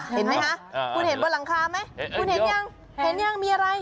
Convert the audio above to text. เห็นมั้ยคะคุณเห็นบนหลังคามั้ยคุณเห็นยังมีอะไร